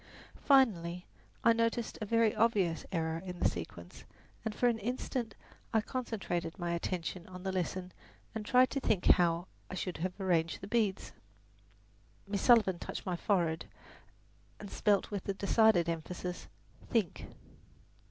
Finally I noticed a very obvious error in the sequence and for an instant I concentrated my attention on the lesson and tried to think how I should have arranged the beads. Miss Sullivan touched my forehead and spelled with decided emphasis, "Think."